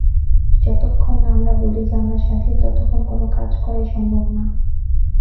যতক্ষণ না আমরা বলি যে আমরা স্বাধীন, ততক্ষণ কোন কাজ করাই সম্ভব নয়।